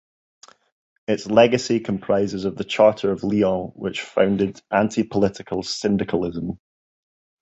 Its legacy comprises the charter of Lyons, which founded anti-political syndicalism.